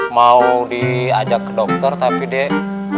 mau diajak ke dokter tapi dek